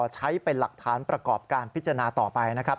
ใช้เป็นหลักฐานประกอบการพิจารณาต่อไปนะครับ